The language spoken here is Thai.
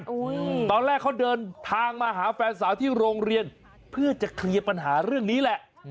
ตอนแรกเขาเดินทางมาหาแฟนสาวที่โรงเรียนเพื่อจะเคลียร์ปัญหาเรื่องนี้แหละ